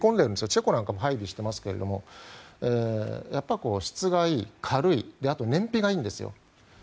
チェコなんかも配備しているんですが質がいい、軽いあと燃費がいいんですよ。